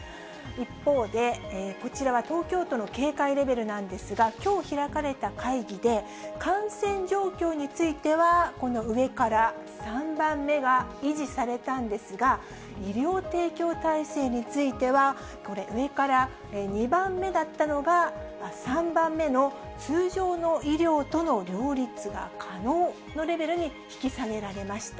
一方で、こちらは東京都の警戒レベルなんですが、きょう開かれた会議で、感染状況については、この上から３番目が維持されたんですが、医療提供体制については、これ、上から２番目だったのが、３段目の通常の医療との両立が可能のレベルに引き下げられました。